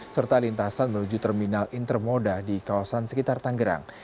serta lintasan menuju terminal intermoda di kawasan sekitar tanggerang